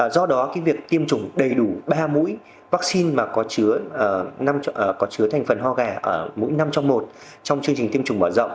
do đó việc tiêm chủng đầy đủ ba mũi vaccine có chứa thành phần ho gà ở mũi năm trong một trong chương trình tiêm chủng mở rộng